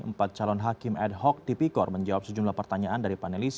empat calon hakim ad hoc tipikor menjawab sejumlah pertanyaan dari panelis